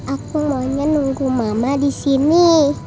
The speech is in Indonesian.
aku maunya nunggu mama di sini